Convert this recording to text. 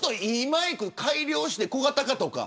マイク改良して小型化とか。